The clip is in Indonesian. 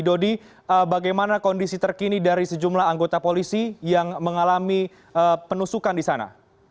dodi bagaimana kondisi terkini dari sejumlah anggota polisi yang mengalami penusukan di sana